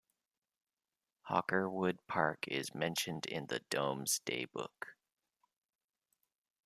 Hockerwood Park is mentioned in the Domesday Book.